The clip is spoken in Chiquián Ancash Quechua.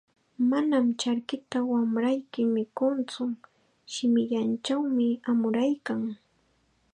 "Manam charkita wamrayki mikuntsu, shimillanchawmi amuraykan."